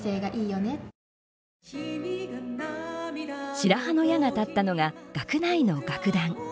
白羽の矢が立ったのが学内の楽団。